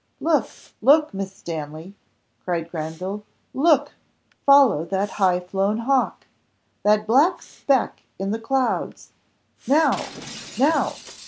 "Look! look! Miss Stanley," cried Granville; "look! follow that high flown hawk that black speck in the clouds. Now! now!